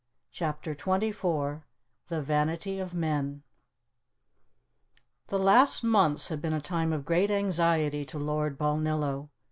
CHAPTER XXIV THE VANITY OF MEN THE last months had been a time of great anxiety to Lord Balnillo.